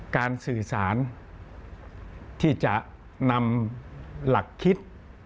การสื่อสารที่จะนำหลักคิด